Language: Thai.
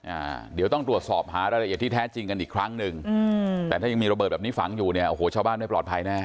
อ่าเดี๋ยวต้องตรวจสอบหารายละเอียดที่แท้จริงกันอีกครั้งหนึ่งอืมแต่ถ้ายังมีระเบิดแบบนี้ฝังอยู่เนี่ยโอ้โหชาวบ้านไม่ปลอดภัยแน่